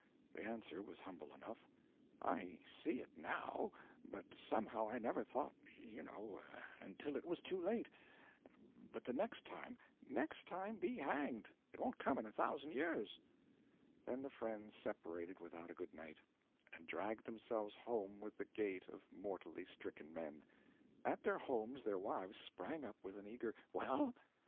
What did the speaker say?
The answer was humble enough: "I see it now, but somehow I never thought, you know, until it was too late. But the next time " "Next time be hanged! It won't come in a thousand years." Then the friends separated without a good night, and dragged themselves home with the gait of mortally stricken men. At their homes their wives sprang up with an eager "Well?"